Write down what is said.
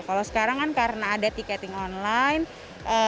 kalau sekarang kan karena ada tiketing online